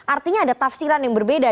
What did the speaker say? artinya ada tafsiran yang berbeda